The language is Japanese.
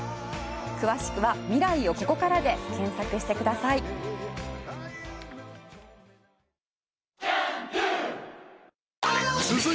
詳しくは「未来をここから」で検索してください。